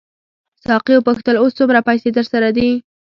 ساقي وپوښتل اوس څومره پیسې درسره دي.